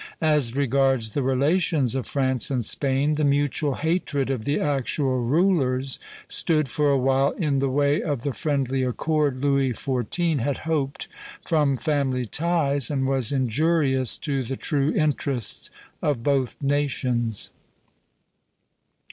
As regards the relations of France and Spain, the mutual hatred of the actual rulers stood for a while in the way of the friendly accord Louis XIV. had hoped from family ties, and was injurious to the true interests of both nations.